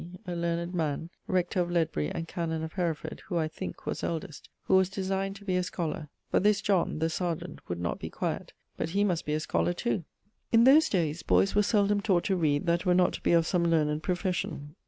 a learned man, rector of Ledbury and canon of Hereford, who, I thinke, was eldest, who was designed to be a scholar, but this John (the serjeant) would not be quiet, but he must be a scholar too. In those dayes boyes were seldome taught to read that were not to be of some learned profession.